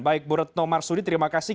baik bu retno marsudi terima kasih